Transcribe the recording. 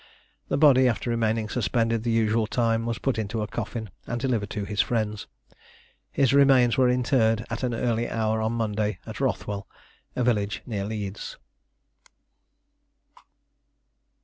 The body, after remaining suspended the usual time, was put into a coffin, and delivered to his friends. His remains were interred at an early hour on Monday, at Rothwell, a village near Leeds.